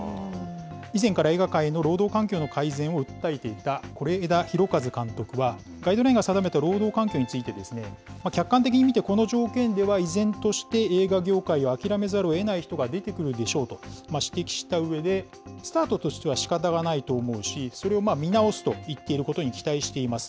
以前から映画界の労働環境の改善を訴えていた是枝裕和監督は、ガイドラインが定めた労働環境について、客観的に見て、この条件では依然として映画業界を諦めざるをえない人が出てくるでしょうと指摘したうえで、スタートとしてはしかたがないと思うし、それを見直すといっていることに期待しています。